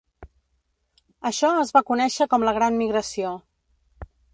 Això es va conèixer com la Gran Migració.